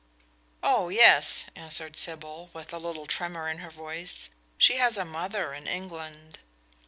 "Oh, yes," answered Sybil, with a little tremor in her voice; "she has a mother in England."